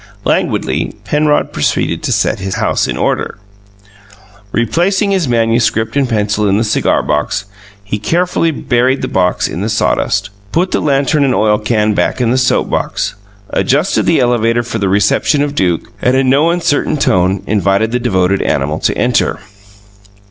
Languidly, Penrod proceeded to set his house in order. Replacing his manuscript and pencil in the cigar box, he carefully buried the box in the sawdust, put the lantern and oil can back in the soap box, adjusted the elevator for the reception of Duke, and, in no uncertain tone, invited the devoted animal to enter.